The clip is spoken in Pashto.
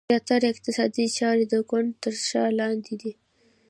زیاتره اقتصادي چارې د ګوند تر څار لاندې دي.